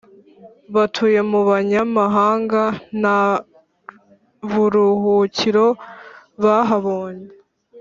Batuye mu banyamahanga, Nta buruhukiro bahabonye